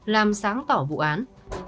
làm sáng tỏ vụ án